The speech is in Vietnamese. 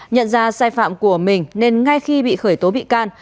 nhận ra sai phạm của mình nên ngay khi bị khởi tố bị can